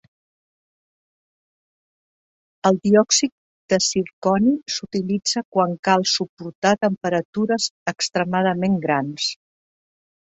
El diòxid de zirconi s'utilitza quan cal suportar temperatures extremadament grans.